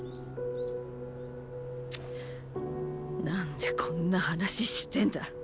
チッなんでこんな話してんだ。